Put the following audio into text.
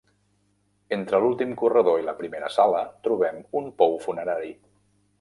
Entre l'últim corredor i la primera sala trobem un pou funerari.